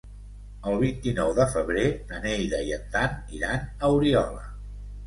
El vint-i-nou de febrer na Neida i en Dan iran a Oriola.